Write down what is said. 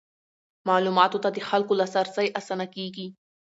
معلوماتو ته د خلکو لاسرسی اسانه کیږي.